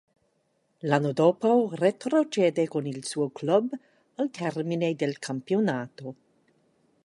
L'anno dopo retrocede con il suo club al termine del campionato.